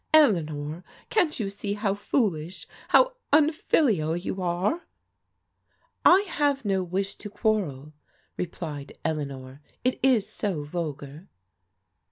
" Eleanor, can't you see how foolish, how un filial you are ?"" I have no wish to quarrel," replied Eleanor. " It is so vulgar."